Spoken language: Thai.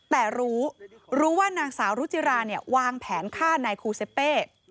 แต่รู้รู้ว่านางสาวรุจิราเนี่ยวางแผนฆ่านายคูเซเป้